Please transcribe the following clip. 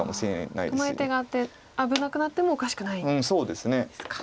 うまい手があって危なくなってもおかしくないですか。